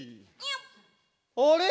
「あれ！